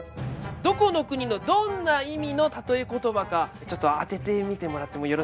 どこの国のどんな意味のたとえコトバかちょっと当ててみてもらってもよろしいでしょうか。